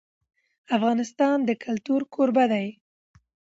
افغانستان د کلتور کوربه دی.